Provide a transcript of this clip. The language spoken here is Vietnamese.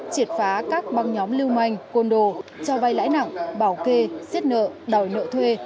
triệt phá các băng nhóm lưu manh côn đồ cho vai lãi nặng bảo kê xiết nợ đòi nợ thuê